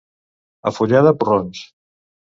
A Fulleda, porrons.